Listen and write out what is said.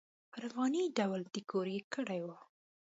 پر افغاني ډول یې ډیکور کړی و.